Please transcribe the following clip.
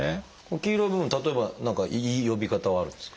黄色い部分例えば何か呼び方はあるんですか？